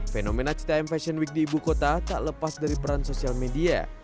fenomena citam fashion week di ibu kota tak lepas dari peran sosial media